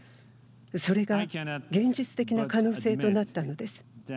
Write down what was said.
それが現実的な可能性となったのです。